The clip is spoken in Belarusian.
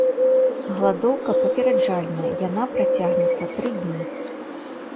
Галадоўка папераджальная, яна працягнецца тры дні.